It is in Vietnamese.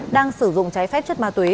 đang sử dụng trái phép chất ma túy